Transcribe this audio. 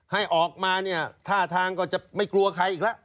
ให้ออกมาเนี่ยท่าทางก็จะไม่กลัวใครอีกแล้ว